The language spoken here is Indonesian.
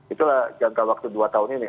itulah jangka waktu dua tahun ini